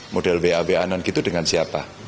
model wawa dan begitu dengan siapa